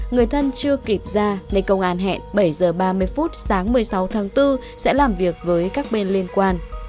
người thân chưa kịp ra nên công an hẹn bảy h ba mươi phút sáng một mươi sáu tháng bốn sẽ làm việc với các bên liên quan